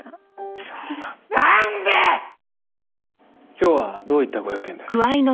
今日はどういったご用件で？